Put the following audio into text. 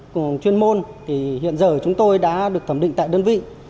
cùng chuyên môn thì hiện giờ chúng tôi đã được thẩm định tại đơn vị